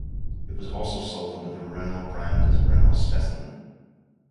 It was also sold under the Renault brand as Renault Specimen.